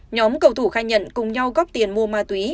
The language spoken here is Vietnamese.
nhóm cầu thủ khai nhận cùng nhau góp tiền mua ma túy